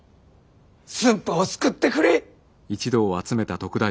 駿府を救ってくれい。